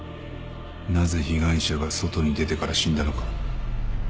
なぜ被害者が外に出てから死んだのか。